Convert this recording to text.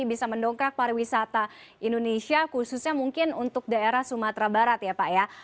bisa mendongkrak pariwisata indonesia khususnya mungkin untuk daerah sumatera barat ya pak ya